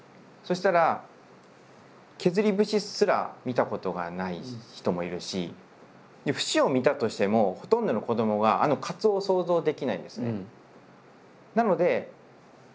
そしたら削り節すら見たことがない人もいるし節を見たとしてもほとんどの子どもがあの鰹を想像できないんですね。